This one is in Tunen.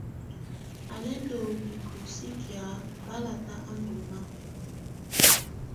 Á lɛ́ ndɔ́ bicoci kɛ̀á, balatá á ndɔ́ naá.